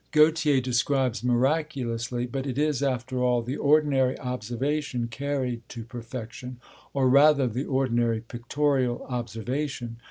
Gautier describes miraculously, but it is, after all, the ordinary observation carried to perfection, or, rather, the ordinary pictorial observation.